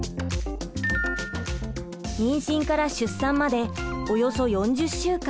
妊娠から出産までおよそ４０週間。